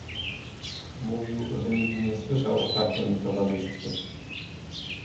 "Mówił, że nigdy nie słyszał o takiem towarzystwie."